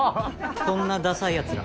こんなダサいヤツら